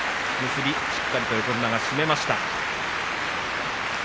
結び、しっかりと横綱が締めました。